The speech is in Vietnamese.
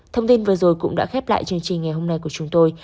thông tin vừa rồi cũng đã khép lại chương trình ngày hôm nay của chúng tôi